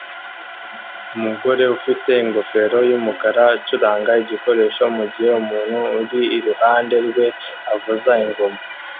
Umugore ufite ingofero yumukara acuranga igikoresho mugihe umuntu uri iruhande rwe avuza ingoma